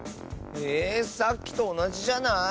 えさっきとおなじじゃない？